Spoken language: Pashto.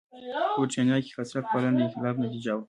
په برېټانیا کې کثرت پالنه د انقلاب نتیجه وه.